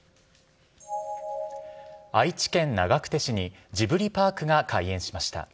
愛知県長久手市に、ジブリパークが開園しました。